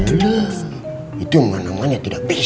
itu mana mana tidak bisa